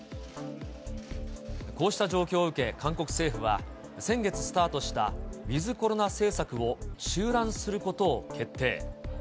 こうした状況を受け、韓国政府は、先月スタートしたウィズコロナ政策を中断することを決定。